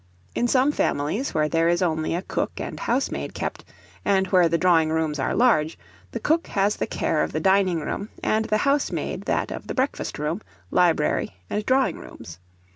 In some families, where there is only a cook and housemaid kept, and where the drawing rooms are large, the cook has the care of the dining room, and the housemaid that of the breakfast room, library, and drawing rooms.